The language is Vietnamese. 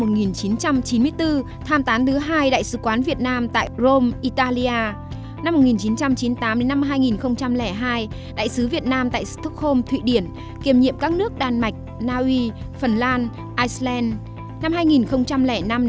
năm một nghìn chín trăm chín mươi tám hai nghìn hai đại sứ việt nam tại stockholm thụy điển kiềm nhiệm các nước đan mạch naui phần lan iceland